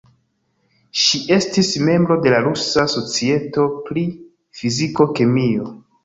Ŝi estis membro de la Rusa Societo pri Fiziko-kemio.